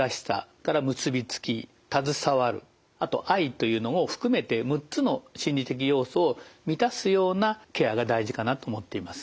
というのを含めて６つの心理的要素を満たすようなケアが大事かなと思っています。